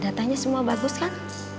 datanya semua bagus kan